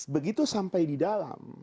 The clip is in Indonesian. begitu sampai di dalam